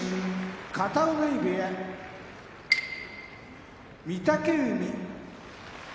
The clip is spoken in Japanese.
片男波部屋御嶽海